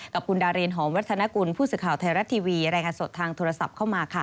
กับคุณดารินหอมวัฒนกุลผู้สื่อข่าวไทยรัฐทีวีรายงานสดทางโทรศัพท์เข้ามาค่ะ